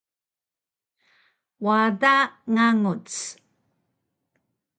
wada nganguc